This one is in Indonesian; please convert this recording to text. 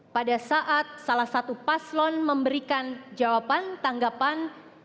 pada saat salah satu paslon memberikan jawaban tanggapan